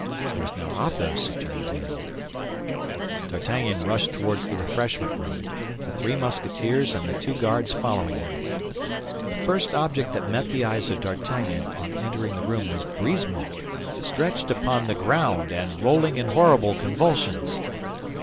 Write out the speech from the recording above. It was now Athos who turned pale. D'Artagnan rushed toward the refreshment room, the three Musketeers and the two Guards following him. The first object that met the eyes of D'Artagnan on entering the room was Brisemont, stretched upon the ground and rolling in horrible convulsions.